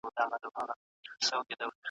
د قیامت په ورځ به شاکرین خلک سرلوړي وي.